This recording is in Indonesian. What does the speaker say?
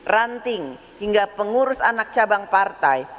ranting hingga pengurus anak cabang partai